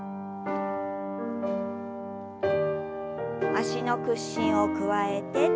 脚の屈伸を加えて。